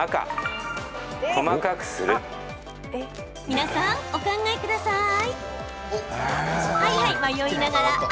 皆さん、お考えください。